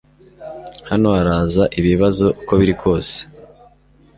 Hano haraza ibibazo uko biri kose